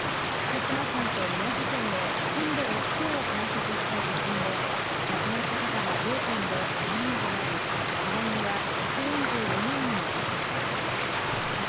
福島県と宮城県で震度６強を観測した地震で、亡くなった方は両県で３人となり、けが人は１４４人に上っています。